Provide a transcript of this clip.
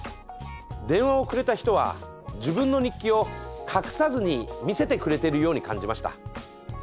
電話をくれた人は自分の日記を隠さずに見せてくれてるように感じました。